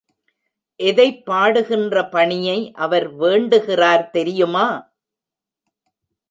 எதைப் பாடுகின்ற பணியை அவர் வேண்டுகிறார் தெரியுமா?